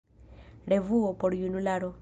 Revuo por junularo.